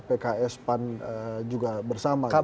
pks pan juga bersama